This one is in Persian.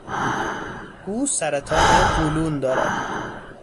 او سرطان قولون دارد.